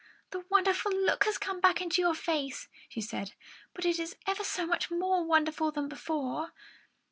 "The wonderful look has come back into your face," she said, "but it is ever so much more wonderful than before!"